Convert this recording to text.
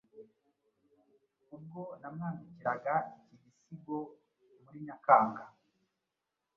ubwo namwandikiraga iki gisigo muri Nyakanga.